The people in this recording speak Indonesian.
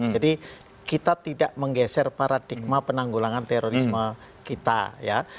jadi kita tidak menggeser paradigma penanggulangan terorisme kita ya